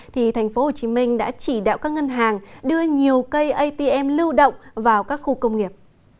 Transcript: thành phố hồ chí minh đã chỉ đạo các ngân hàng đưa nhiều cây atm lưu động vào các khu công nghiệp